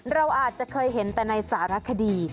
เราอาจจะเคยเห็นแต่ในสารคดี